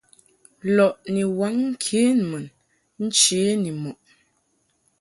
Lɔʼ ni waŋ ŋkenmun nche ni mɔʼ.